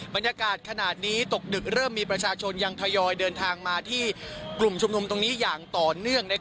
บรรยากาศขนาดนี้ตกดึกเริ่มมีประชาชนยังทยอยเดินทางมาที่กลุ่มชุมนุมตรงนี้อย่างต่อเนื่อง